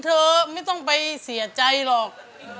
เธอไม่ต้องไปเสียใจหรอก